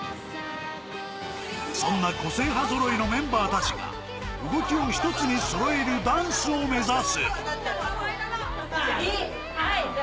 そんな個性派揃いのメンバーたちが、動きを１つに揃えるダンスを目指す。